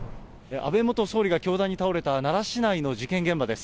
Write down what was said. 安倍元総理が凶弾に倒れた奈良市内の事件現場です。